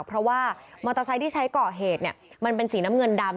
เพราะว่ามอเตอร์ไซค์ที่ใช้ก่อเหตุมันเป็นสีน้ำเงินดำ